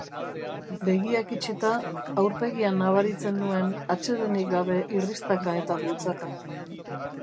Begiak itxita, aurpegian nabaritzen nuen atsedenik gabe irristaka eta bultzaka.